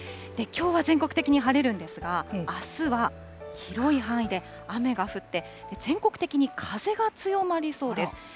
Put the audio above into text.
きょうは全国的に晴れるんですが、あすは広い範囲で雨が降って、全国的に風が強まりそうです。